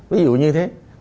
ví dụ như thế